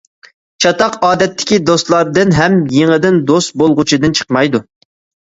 چاتاق ئادەتتىكى دوستلاردىن ھەم يېڭىدىن دوست بولغۇچىدىن چىقمايدۇ.